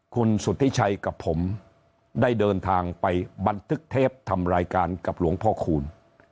คุณสุธิชัยกับผมได้เดินทางไปบันทึกเทปทำรายการกับหลวงพ่อคูณ